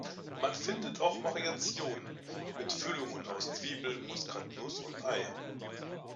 Man findet auch Variationen mit Füllungen aus Zwiebeln, Muskatnuss und Ei.